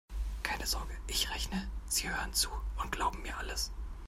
Keine Sorge: Ich rechne, Sie hören zu und glauben mir alles.